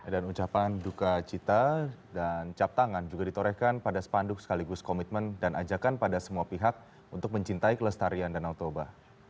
dan ucapan duka cita dan cap tangan juga ditorehkan pada sepanduk sekaligus komitmen dan ajakan pada semua pihak untuk mencintai kelestarian danau toba